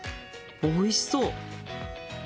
おいしそう！